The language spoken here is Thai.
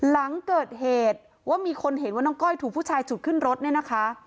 หลังเกิดเหตุว่ามีคนเห็นว่าน้องก้อยถูกผู้ชายฉุดขึ้นรถเนี่ยนะคะ